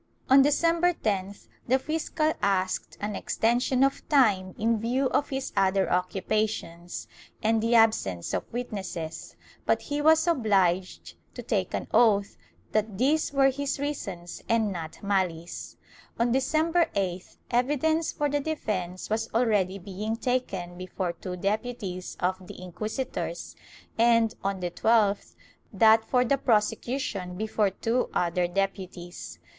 On Decem ber 10th, the fiscal asked an extension of time in view of his other occupations and the absence of witnesses, but he was obliged to take an oath that these were his reasons and not malice. On December 8th evidence for the defence was already being taken before two deputies of the inquisitors and, on the 12th, that for the prosecution before two other deputies.